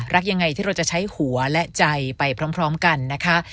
รักยังไงที่เราจะใช้หัวและใจไปพร้อมกันนะคะ